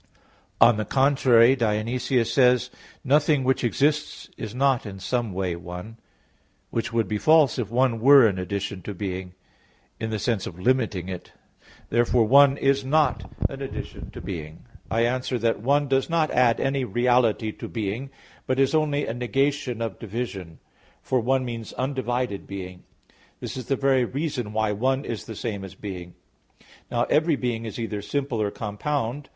On the contrary, Dionysius says (Div. Nom. 5, ult.): "Nothing which exists is not in some way one," which would be false if "one" were an addition to "being," in the sense of limiting it. Therefore "one" is not an addition to "being." I answer that, "One" does not add any reality to "being"; but is only a negation of division; for "one" means undivided "being." This is the very reason why "one" is the same as "being." Now every being is either simple or compound.